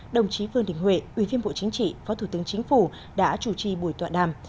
đồng chí phương đình huệ uyên phiên bộ chính trị phó thủ tướng chính phủ đã chủ trì buổi tọa đàm